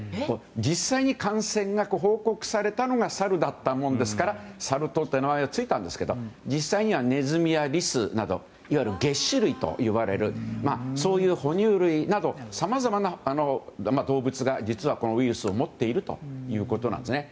実際に感染が報告されたのがサルだったものですからサル痘という名前がついたんですけど実際にはネズミやリスなどいわゆる、げっ歯類と呼ばれるそういう哺乳類などさまざまな動物が実はこのウイルスを持っているということなんですね。